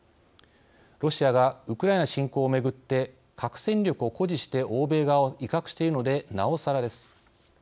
ロシアがウクライナ侵攻を巡って核戦力を誇示して欧米側を威嚇しているのでなおさらです。